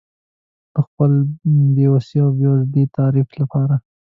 د خپل بې وسۍ او بېوزلۍ د تعریف لپاره.